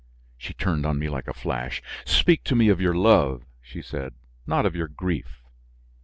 She turned on me like a flash. "Speak to me of your love," she said, "not of your grief."